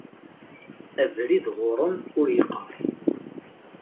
Abrid ɣur-m ur yeqrib.